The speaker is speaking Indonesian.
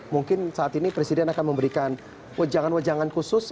mungkin saat ini presiden akan memberikan wajangan wajangan khusus